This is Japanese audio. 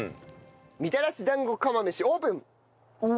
みたらし団子釜飯オープン！